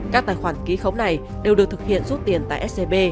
các tài khoản ký khống này đều được thực hiện rút tiền tại scb